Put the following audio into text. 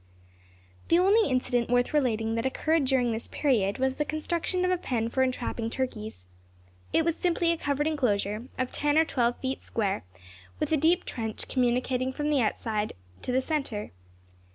The only incident worth relating that occurred during this period, was the construction of a pen for entrapping turkeys. It was simply a covered enclosure, of ten or twelve feet square, with a deep trench communicating from the outside to the centre.